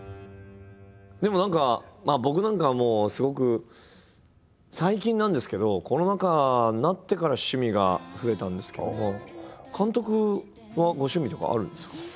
でも何か僕なんかはもうすごく最近なんですけどコロナ禍になってから趣味が増えたんですけども監督はご趣味とかはあるんですか？